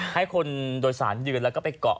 ให้คนโดยสารยืนแล้วก็ไปเกาะ